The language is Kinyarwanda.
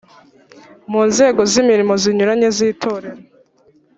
mu nzego z imirimo zinyuranye z itorero